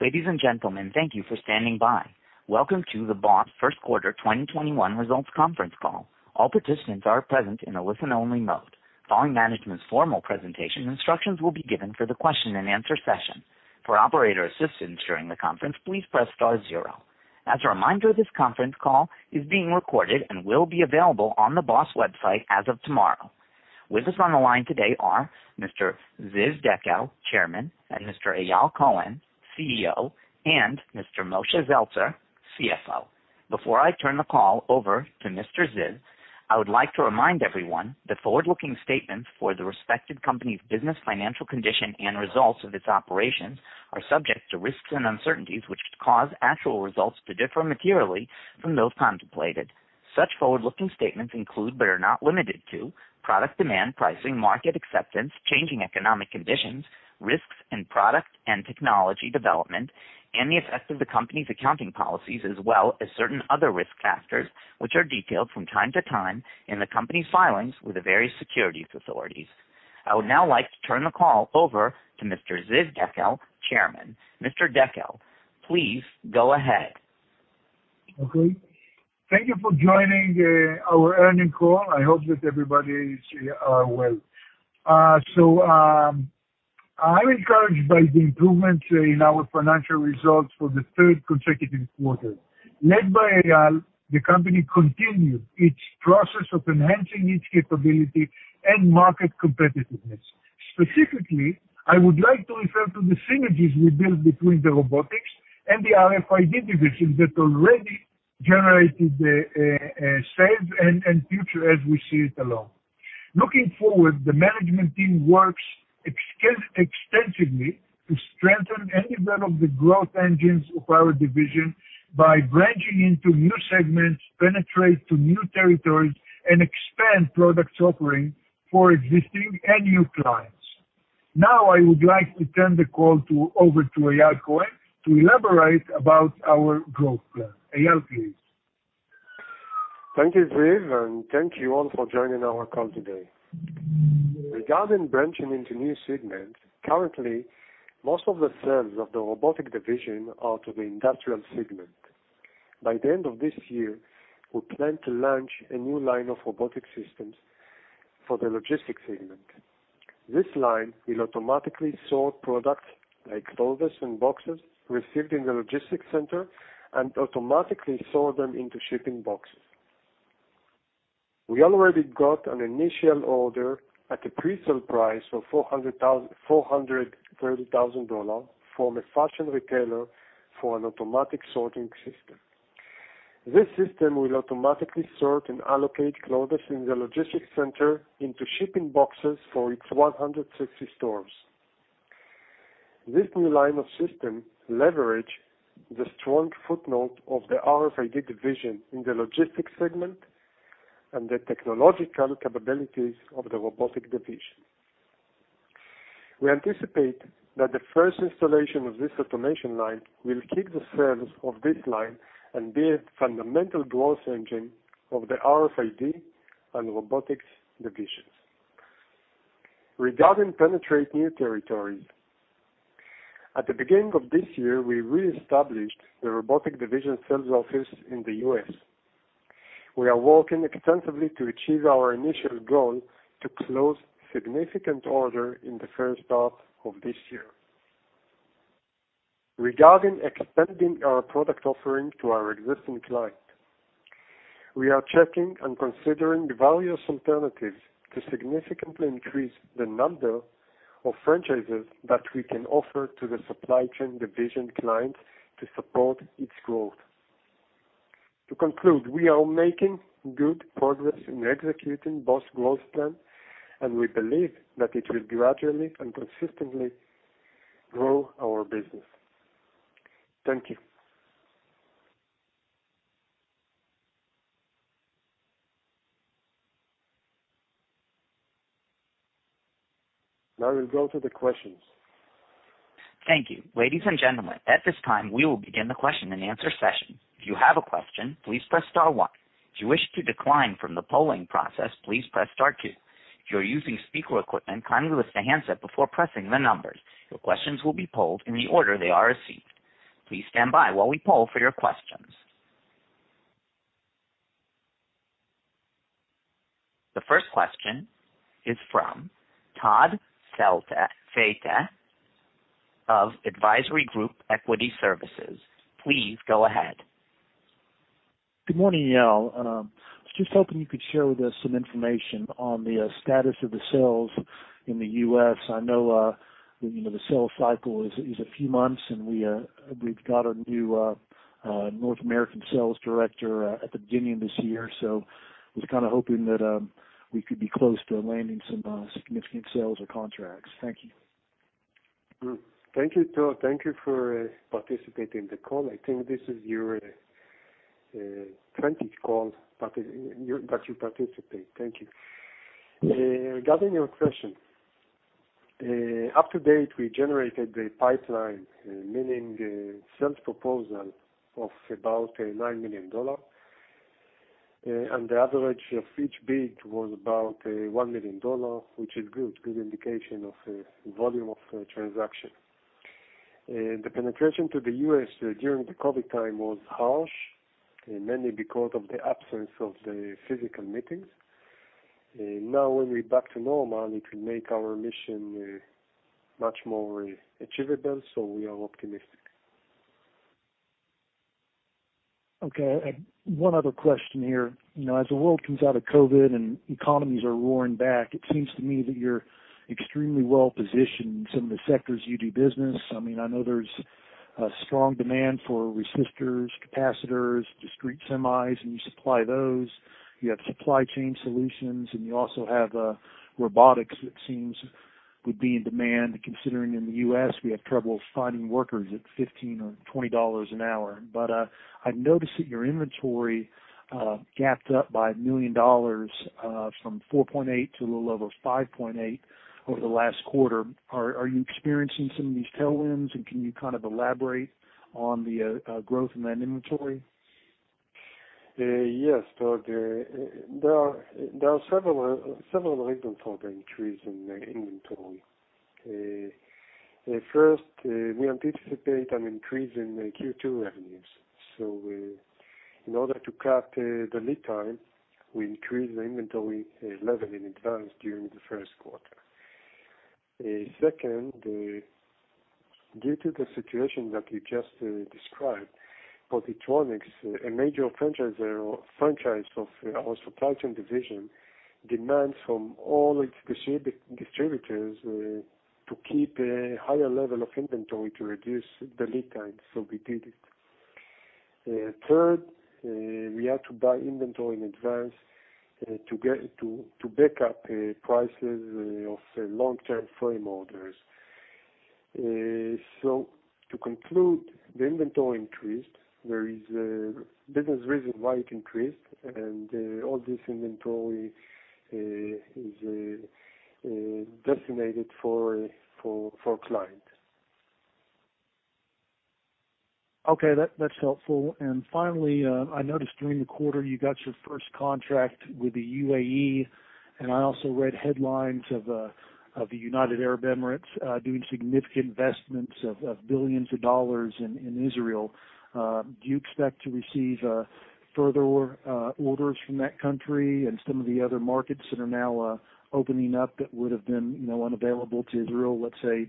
Ladies and gentlemen, thank you for standing by. Welcome to the B.O.S. first quarter 2021 results conference call. All participants are present in a listen-only mode. Following management's formal presentation, instructions will be given for the question and answer session. For operator assistance during the conference, please press star zero. As a reminder, this conference call is being recorded and will be available on the B.O.S. website as of tomorrow. With us on the line today are Mr. Ziv Dekel, Chairman, and Mr. Eyal Cohen, CEO, and Mr. Moshe Zeltzer, CFO. Before I turn the call over to Mr. Ziv, I would like to remind everyone that forward-looking statements for the respective company's business financial condition and results of its operations are subject to risks and uncertainties, which cause actual results to differ materially from those contemplated. Such forward-looking statements include, but are not limited to, product demand pricing, market acceptance, changing economic conditions, risks in product and technology development, and the effects of the company's accounting policies, as well as certain other risk factors, which are detailed from time to time in the company's filings with the various securities authorities. I would now like to turn the call over to Mr. Ziv Dekel, Chairman. Mr. Dekel, please go ahead. Okay. Thank you for joining our earning call. I hope that everybody is well. I'm encouraged by the improvements in our financial results for the third consecutive quarter. Led by Eyal, the company continued its process of enhancing its capability and market competitiveness. Specifically, I would like to refer to the synergies we built between the Robotics and the RFID Divisions that already generated sales and future as we see it along. Looking forward, the management team works extensively to strengthen any one of the growth engines of our division by branching into new segments, penetrate to new territories, and expand product offering for existing and new clients. I would like to turn the call over to Eyal Cohen to elaborate about our growth plan. Eyal, please. Thank you, Ziv, and thank you all for joining our call today. Regarding branching into new segments, currently, most of the sales of the Robotics Division are to the industrial segment. By the end of this year, we plan to launch a new line of robotic systems for the logistics segment. This line will automatically sort products like folders and boxes received in the logistics center and automatically sort them into shipping boxes. We already got an initial order at a pre-sale price of $430,000 from a fashion retailer for an automatic sorting system. This system will automatically sort and allocate loads in the logistics center into shipping boxes for its 160 stores. This new line of system leverage the strong foothold of the RFID Division in the logistics segment and the technological capabilities of the Robotics Division. We anticipate that the first installation of this automation line will keep the sales of this line and be a fundamental growth engine of the RFID and Robotics Division. Regarding penetrating new territories, at the beginning of this year, we reestablished the Robotics Division sales office in the U.S. We are working extensively to achieve our initial goal to close significant order in the first half of this year. Regarding expanding our product offering to our existing clients, we are checking and considering various alternatives to significantly increase the number of franchises that we can offer to the Supply Chain Division clients to support its growth. To conclude, we are making good progress in executing B.O.S. growth plan, and we believe that it will gradually and consistently grow our business. Thank you. Now we go to the questions. Thank you. Ladies and gentlemen, at this time, we will begin the question and answer session. Your questions will be polled in the order they are received. The first question is from Todd Felte of Advisory Group Equity Services. Please go ahead. Good morning, Eyal. I was just hoping you could share with us some information on the status of the sales in the U.S. I know the sales cycle is a few months, and we've got a new North American sales director at the beginning of this year, so I was kind of hoping that we could be close to landing some significant sales or contracts. Thank you. Thank you, Todd. Thank you for participating in the call. I think this is your 20th call that you participate. Thank you. Regarding your question, up to date, we generated a pipeline, meaning a sales proposal of about $9 million. The average of each bid was about $1 million, which is good. Good indication of volume of transaction. The penetration to the U.S. during the COVID time was harsh, mainly because of the absence of the physical meetings. Now when we're back to normal, it will make our mission much more achievable, so we are optimistic. Okay. One other question here. As the world comes out of COVID and economies are roaring back, it seems to me that you're extremely well-positioned in some of the sectors you do business. I know there's a strong demand for resistors, capacitors, discrete semis, and you supply those. You have Supply Chain solutions, and you also have Robotics that seems would be in demand, considering in the U.S. we have troubles finding workers at $15 or $20 an hour. I've noticed that your inventory gapped up by $1 million from $4.8 million to a little over $5.8 million over the last quarter. Are you experiencing some of these tailwinds, and can you kind of elaborate on the growth in that inventory? Yes, Todd. There are several reasons for the increase in inventory. First, we anticipate an increase in Q2 revenues. In order to cut the lead time, we increased the inventory level in advance during the first quarter. Second, due to the situation that you just described, Positronic, a major franchise of our Supply Chain Division, demands from all its distributors to keep a higher level of inventory to reduce the lead time, we did it. Third, we had to buy inventory in advance to back up prices of long-term frame orders. To conclude, the inventory increased. There is a business reason why it increased, and all this inventory is designated for clients. Okay. That's helpful. Finally, I noticed during the quarter you got your first contract with the UAE, and I also read headlines of the United Arab Emirates doing significant investments of billions of dollars in Israel. Do you expect to receive further orders from that country and some of the other markets that are now opening up that would've been unavailable to Israel, let's say,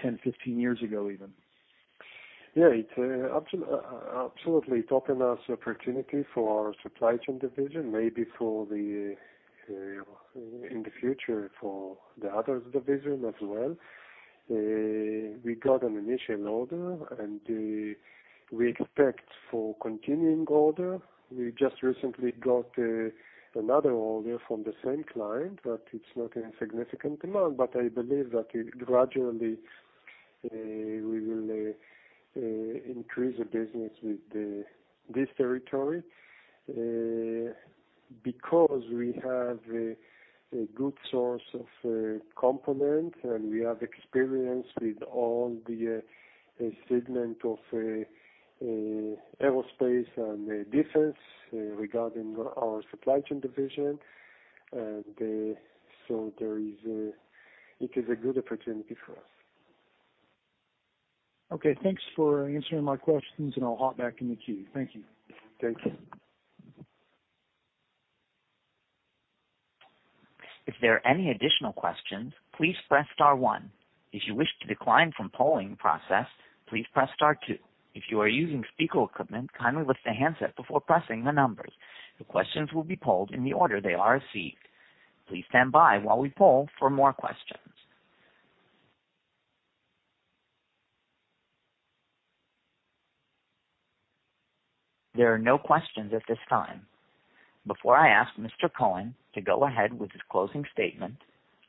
10, 15 years ago even? Yeah, it absolutely opened us opportunity for our Supply Chain Division, maybe in the future for the others division as well. We got an initial order, and we expect for continuing order. We just recently got another order from the same client, but it's not a significant amount. I believe that gradually, we will increase the business with this territory because we have a good source of components, and we have experience with all the segment of aerospace and defense regarding our Supply Chain Division. It is a good opportunity for us. Okay. Thanks for answering my questions, and I'll hop back in the queue. Thank you. Thanks. If there are any additional questions, please press star one. If you wish to decline from polling process, please press star two. If you are using speaker equipment, kindly lift the handset before pressing the numbers. The questions will be polled in the order they are received. Please stand by while we poll for more questions. There are no questions at this time. Before I ask Mr. Cohen to go ahead with his closing statement,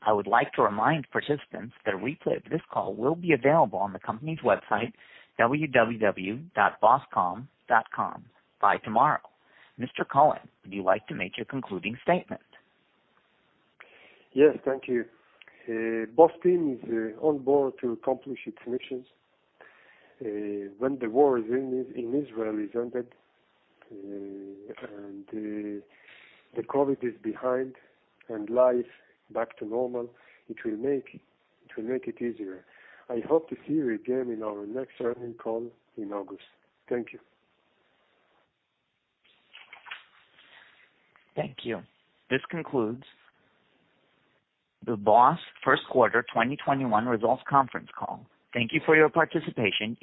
I would like to remind participants that a replay of this call will be available on the company's website, www.boscom.com by tomorrow. Mr. Cohen, would you like to make your concluding statement? Yes. Thank you. B.O.S. team is on board to accomplish its missions. When the war in Israel is ended, and the COVID is behind, and life back to normal, it will make it easier. I hope to see you again in our next earning call in August. Thank you. Thank you. This concludes the B.O.S. first quarter 2021 results conference call. Thank you for your participation.